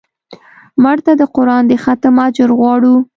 مړه ته د قرآن د ختم اجر غواړو